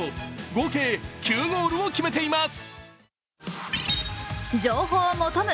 合計９ゴールを決めています。